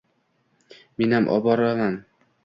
Menam oboraman!